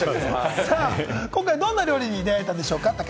今回どんな料理に出会えたんでしょうか？